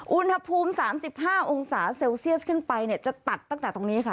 อุณหภูมิ๓๕องศาเซลเซียสขึ้นไปเนี่ยจะตัดตั้งแต่ตรงนี้ค่ะ